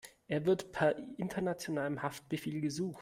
Er wird per internationalem Haftbefehl gesucht.